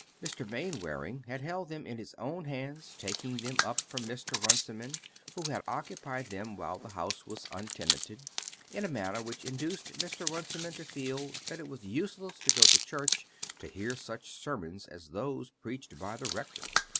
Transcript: Mr. Mainwaring had held them in his own hands, taking them up from Mr. Runciman, who had occupied them while the house was untenanted, in a manner which induced Mr. Runciman to feel that it was useless to go to church to hear such sermons as those preached by the rector.